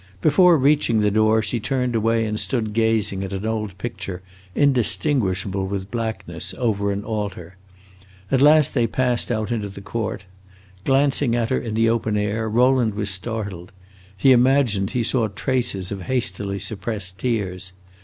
Before reaching the door she turned away and stood gazing at an old picture, indistinguishable with blackness, over an altar. At last they passed out into the court. Glancing at her in the open air, Rowland was startled; he imagined he saw the traces of hastily suppressed tears.